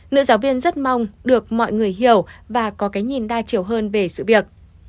nữ giáo viên rất mong được mọi người hiểu và có cái nhìn đa chiều hơn về sự việc